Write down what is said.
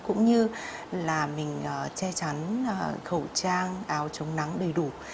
cũng như là mình che chắn khẩu trang áo chống nắng đầy đủ